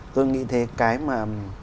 tôi nghĩ thế cái mà